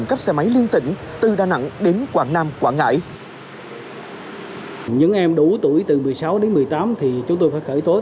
làm cắp xe máy liên tịnh từ đà nẵng đến quảng nam quảng ngãi